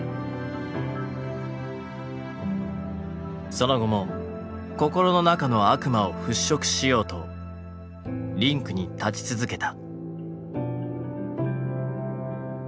その後も心の中の悪魔を払拭しようとリンクに立ち続けた。